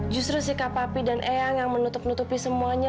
justru sikap papi dan eyang yang menutup nutupi semuanya